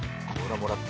もらった！